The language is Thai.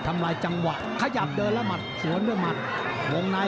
ทำลายจังหวะขยับเดินแล้วหมัดโรงใน